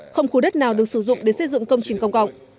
không khu đất nào được sử dụng để xây dựng công trình công cộng